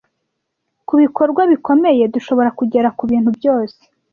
Kubikorwa bikomeye dushobora kugera kubintu byose.